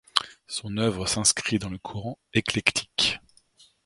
Son œuvre s'inscrit dans le courant éclectique.